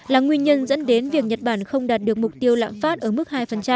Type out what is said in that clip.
là nguyên nhân dẫn đến việc nhật bản không đạt được mục tiêu lạm phát ở mức hai